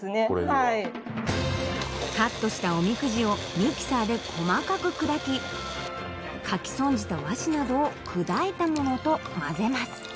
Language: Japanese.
はいカットしたおみくじをミキサーで細かく砕き書き損じた和紙などを砕いたものとまぜます